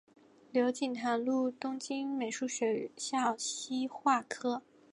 刘锦堂入东京美术学校西画科